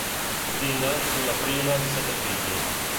Lina fu la prima di sette figli.